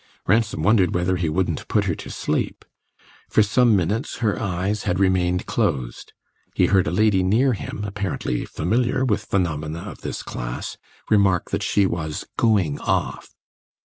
Ransom wondered whether he wouldn't put her to sleep; for some minutes her eyes had remained closed; he heard a lady near him, apparently familiar with phenomena of this class, remark that she was going off.